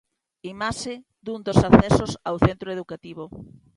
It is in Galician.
Imaxe dun dos accesos ao centro educativo.